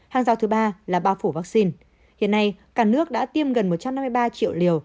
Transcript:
hàng rào thứ ba là bao phủ vaccine hiện nay cả nước đã tiêm gần một trăm năm mươi ba triệu liều